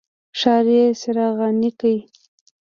ښار یې څراغاني کړ.